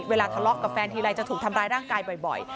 ทะเลาะกับแฟนทีไรจะถูกทำร้ายร่างกายบ่อย